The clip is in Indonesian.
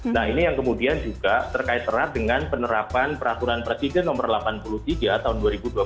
nah ini yang kemudian juga terkait erat dengan penerapan peraturan presiden nomor delapan puluh tiga tahun dua ribu dua puluh